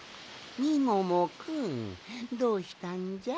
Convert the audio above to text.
みももくんどうしたんじゃ？